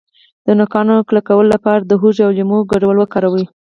د نوکانو کلکولو لپاره د هوږې او لیمو ګډول وکاروئ